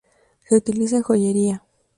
Se utiliza en joyería.